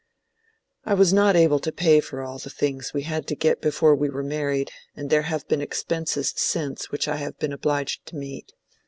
"I was not able to pay for all the things we had to get before we were married, and there have been expenses since which I have been obliged to meet.